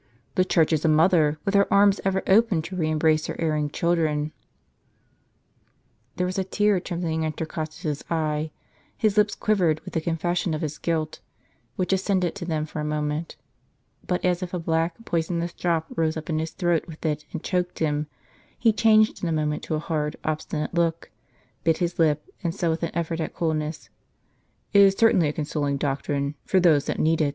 The Church is a mother, with her arms ever open to re embrace her erring children." There was a tear trembling in Torquatus' s eye ; his lips quivered with the confession of his guilt, which ascended to them for a moment ; but as if a black poisonous drop rose up his throat with it and choked him, he changed in a moment to a hard, obstinate look, bit his lip, and said, with an effort at coolness :" It is certainly a consoling doctrine for those that need it."